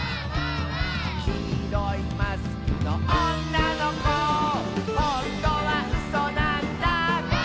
「きいろいマスクのおんなのこ」「ほんとはうそなんだ」